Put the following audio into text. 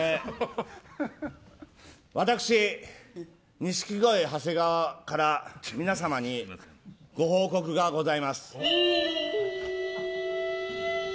私、錦鯉、長谷川から皆様にご報告がございます。